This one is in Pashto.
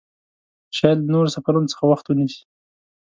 شاید له نورو سفرونو څخه وخت ونیسي.